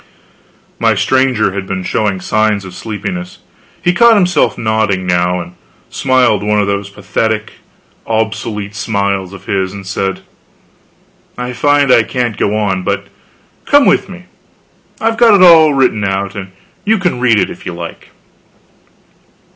My stranger had been showing signs of sleepiness. He caught himself nodding, now, and smiled one of those pathetic, obsolete smiles of his, and said: "I find I can't go on; but come with me, I've got it all written out, and you can read it if you like."